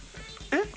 えっ？